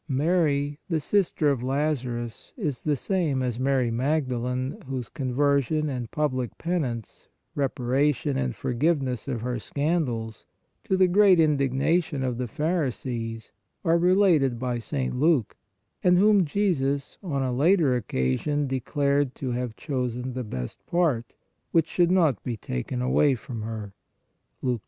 Mary, the sister of Lazarus is the same as Mary Magdalen whose conversion and public penance, reparation and forgiveness of her scandals, to the great indignation of the pharisees are related by St. Luke, and whom Jesus, on a later occasion, declared to " have chosen the best part, which should not be taken away from her " (Luke 7.